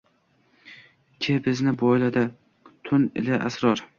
Ki bizni boyladi tun ila asror